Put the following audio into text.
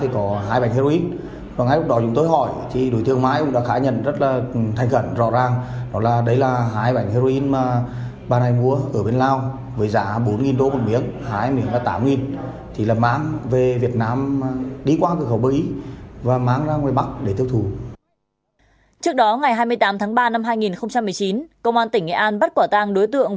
công an tỉnh nghệ an bắt quả tang đối tượng